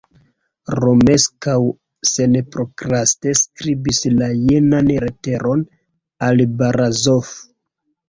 Romeskaŭ senprokraste skribis la jenan letereton al Barazof.